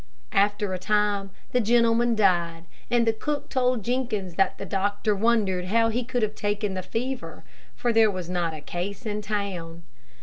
After a time the gentleman died, and the cook told Jenkins that the doctor wondered how he could have taken the fever, for there was not a case in town.